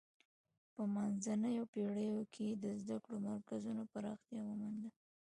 په منځنیو پیړیو کې د زده کړو مرکزونو پراختیا ومونده.